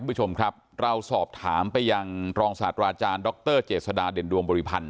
คุณผู้ชมครับเราสอบถามไปยังรองศาสตราอาจารย์ดรเจษฎาเด่นดวงบริพันธ